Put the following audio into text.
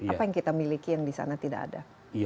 apa yang kita miliki yang di sana tidak ada